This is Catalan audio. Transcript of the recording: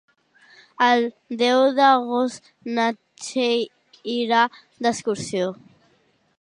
El deu d'agost na Txell irà d'excursió.